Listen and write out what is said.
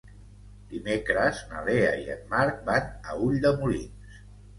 Dimecres na Lea i en Marc van a Ulldemolins.